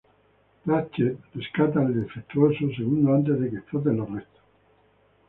Ratchet rescata al defectuoso segundos antes de que exploten los restos.